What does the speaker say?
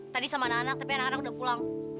tadi sama anak anak tapi anak anak udah pulang